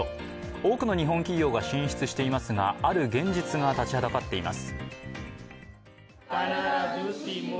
多くの日本企業が進出していますがある現実が立ちはだかっています。